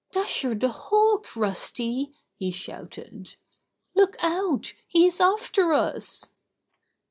"Dasher the Hawk, Rusty!" he shouted. "Look out! He's after us!"